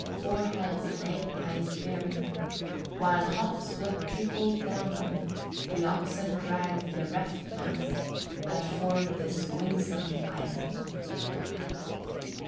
Four heads and eight eyes bearing, While hot sweat trickled down them, The oxen dragged the reft mass That formed this winsome island."